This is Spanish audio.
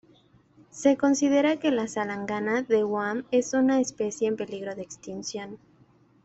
Se considera que la salangana de Guam es una especie en peligro de extinción.